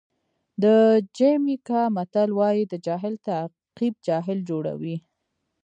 د جمیکا متل وایي د جاهل تعقیب جاهل جوړوي.